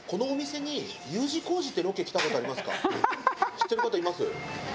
知ってる方います？